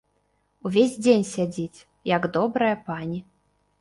Увесь дзень сядзіць, як добрая пані.